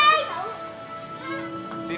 bernada makin hai